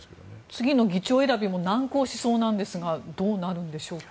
次の議長選びも難航しそうなんですがどうなるんでしょうか。